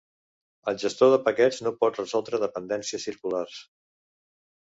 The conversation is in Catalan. El gestor de paquets no pot resoldre dependències circulars.